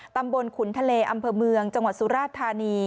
ตำบลขุนทะเลอำเภอเมืองจังหวัดสุราชธานี